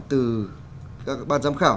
từ các ban giám khảo